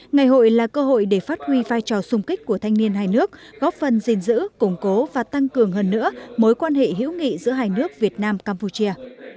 ngày hội là cơ hội để phát huy vai trò sung kích của thanh niên hai nước góp phần gìn giữ củng cố và tăng cường hơn nữa mối quan hệ hữu nghị giữa hai nước việt nam campuchia